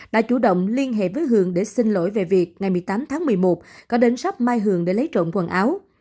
đã chủ động liên hệ với hường để xin lỗi về việc ngày một mươi tám tháng một mươi một có đến sắp mai hường để lấy trộm quần áo